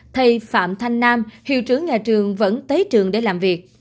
thầy phạm thanh nam hiệu trưởng nhà trường vẫn tới trường để làm việc